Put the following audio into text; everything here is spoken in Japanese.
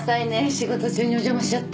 仕事中にお邪魔しちゃって。